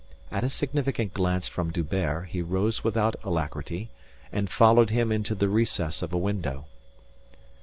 At a significant glance from D'Hubert he rose without alacrity and followed him into the recess of a window.